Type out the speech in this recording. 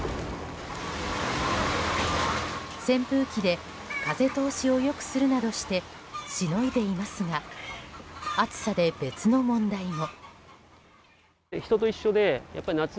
扇風機で風通しを良くするなどしてしのいでいますが暑さで別の問題も。